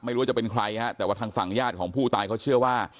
ไม่รู้ว่าจะเป็นใครฮะแต่ว่าทางฝั่งญาติของผู้ตายเขาเชื่อว่า